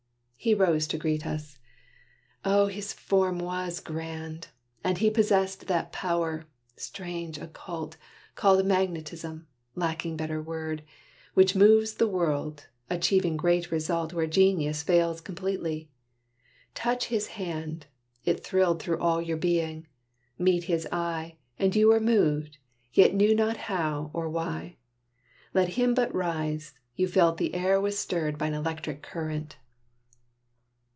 He rose to greet us. Oh! his form was grand; And he possessed that power, strange, occult, Called magnetism, lacking better word, Which moves the world, achieving great result Where genius fails completely. Touch his hand, It thrilled through all your being meet his eye, And you were moved, yet knew not how, or why. Let him but rise, you felt the air was stirred By an electric current.